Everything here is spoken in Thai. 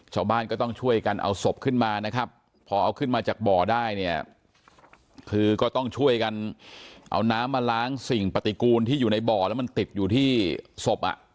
ชาวบ้านก็ต้องช่วยกันเอาศพขึ้นมานะครับพอเอาขึ้นมาจากบ่อได้เนี่ยคือก็ต้องช่วยกันเอาน้ำมาล้างสิ่งปฏิกูลที่อยู่ในบ่อแล้วมันติดอยู่ที่ศพอ่ะ